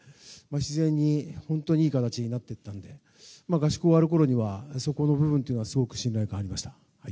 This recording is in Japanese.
自然に、本当にいい形になっていったので合宿が終わるころにはそこの部分はすごく信頼感がありました。